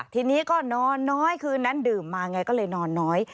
ทีนี้ก็นอนน้อยคืนนั้นดื่มมาไงก็เลยนอนน้อย